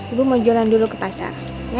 ibu mau jualan dulu ke pasar